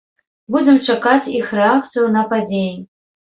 Будзем чакаць іх рэакцыю на падзеі.